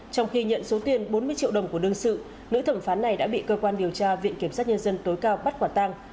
trong khi nhận số tiền bốn mươi triệu đồng của đương sự nữ thẩm phán này đã bị cơ quan điều tra viện kiểm sát nhân dân tối cao bắt quả tang